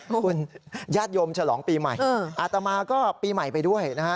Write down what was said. คุณญาติโยมฉลองปีใหม่อาตมาก็ปีใหม่ไปด้วยนะฮะ